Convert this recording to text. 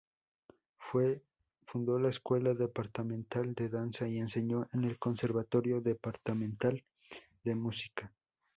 Fundó la Escuela Departamental de Danza, y enseñó en el Conservatorio Departamental de Música.